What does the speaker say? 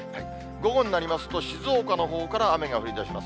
午後になりますと、静岡のほうから雨が降りだします。